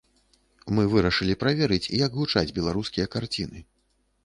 Мы вырашылі праверыць, як гучаць беларускія карціны.